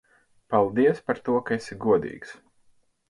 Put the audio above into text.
Paldies par to, ka esi godīgs.